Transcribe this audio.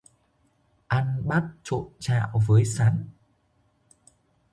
Ăn bắp trộn trạo với sắn